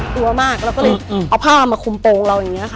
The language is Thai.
กลัวมากเราก็เลยเอาผ้ามาคุมโปรงเราอย่างนี้ค่ะ